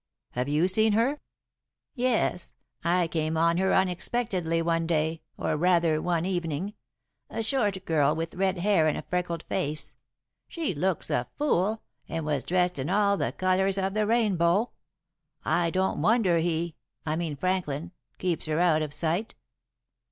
"Have you seen her?" "Yes, I came on her unexpectedly one day or rather one evening. A short girl, with red hair and a freckled face. She looks a fool, and was dressed in all the colors of the rainbow. I don't wonder he I mean Franklin keeps her out of sight."